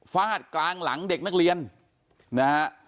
ฟาดกลางหลังเด็กนักเรียนนะฮะ